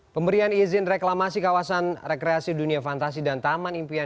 pemberian izin reklamasi kawasan rekreasi dunia fantasi dan taman impian